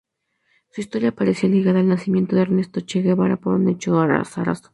Su historia aparece ligada al nacimiento de Ernesto Che Guevara por un hecho azaroso.